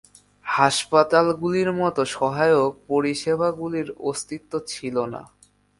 হাসপাতালগুলির মতো সহায়ক পরিষেবাগুলির অস্তিত্ব ছিল না।